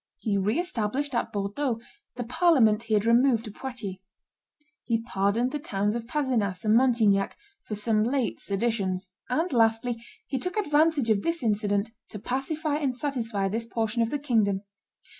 He re established at Bordeaux the parliament he had removed to Poitiers; he pardoned the towns of Pdzenas and Montignac for some late seditions; and, lastly, he took advantage of this incident to pacify and satisfy this portion of the kingdom.